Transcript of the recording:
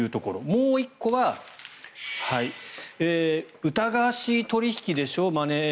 もう１個は疑わしい取引でしょ